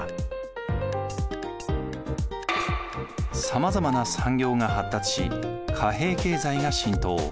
さまざまな産業が発達し貨幣経済が浸透。